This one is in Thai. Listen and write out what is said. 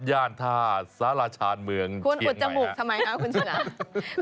ย่านท่าซาราชาญเมืองเชียงใหม่นะคุณอุดจมูกทำไมครับคุณฉันอ่ะ